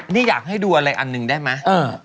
นี่อยากให้ดูอะไรอันนึงได้มั้ยเออ